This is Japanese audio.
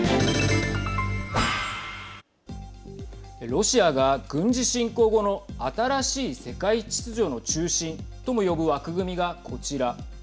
ロシアが軍事侵攻後の新しい世界秩序の中心とも呼ぶ枠組みがこちら